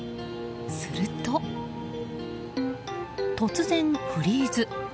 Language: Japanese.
すると突然、フリーズ。